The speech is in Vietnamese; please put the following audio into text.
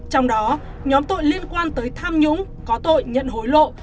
trong đó nhóm tội liên quan tới tham nhũng có tội nhận hối lộ